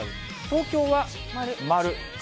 東京は丸。